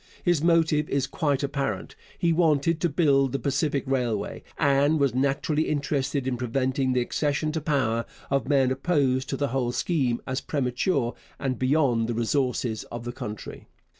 His motive is quite apparent. He wanted to build the Pacific Railway, and was naturally interested in preventing the accession to power of men opposed to the whole scheme as premature and beyond the resources of the country.